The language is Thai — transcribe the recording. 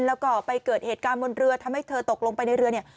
แล้วก็ไปเกิดเหตุการณ์บนเรือทำให้เธอตกลงไปในเรือเนี่ย